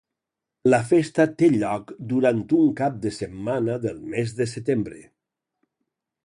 La festa té lloc durant un cap de setmana del mes de setembre.